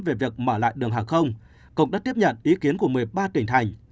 về việc mở lại đường hàng không cục đã tiếp nhận ý kiến của một mươi ba tỉnh thành